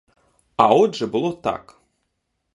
А отже було так.